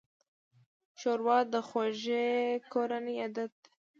ښوروا د خوږې کورنۍ عادت ده.